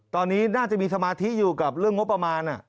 ตอนนี้น่าจะมีสมาธิอยู่กับเรื่องงบประมาณ